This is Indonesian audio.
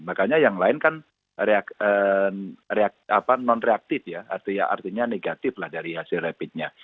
makanya yang lain kan non reaktif ya artinya negatif lah dari hasil rapidnya